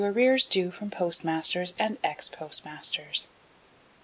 Arrears due from Postmasters and ex Postmasters.